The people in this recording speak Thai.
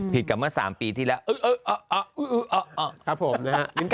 ผิดกับเมื่อสามปีที่แล้ว